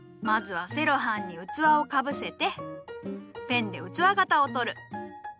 まずはセロハンに器をかぶせてペンで器型をとる。